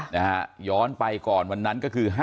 นะฮะย้อนไปก่อนวันนั้นก็คือ